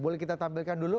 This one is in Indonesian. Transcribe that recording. boleh kita tampilkan dulu